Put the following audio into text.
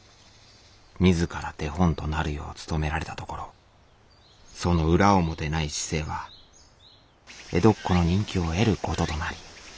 自ら手本となるよう努められたところその裏表ない姿勢は江戸っ子の人気を得ることとなり。